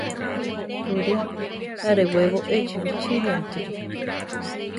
Uri; arewebo echi bichíriamtiri.